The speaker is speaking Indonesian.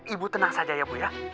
ibu tenang saja ya bu ya